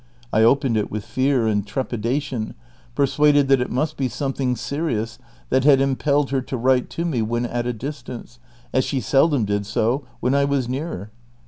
I opened it with fear and trepidation, persuaded that it must be something serious that had impelled her to write to me when at a distance, as she seldom did so when I was near.